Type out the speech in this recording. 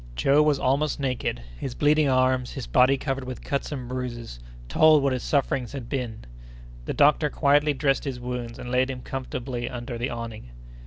Joe was almost naked. His bleeding arms, his body covered with cuts and bruises, told what his sufferings had been. The doctor quietly dressed his wounds, and laid him comfortably under the awning.